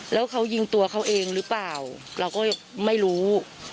แล้วเขายิงตัวเขาเองหรือเปล่าเราก็ยังไม่รู้